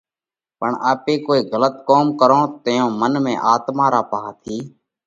پڻ آپي ڪوئي ڳلت ڪوم ڪرونھ تئيون منَ ۾ آتما را پاھا ٿِي